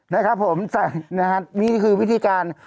นะครับผมนะครับมีคือวิธีการ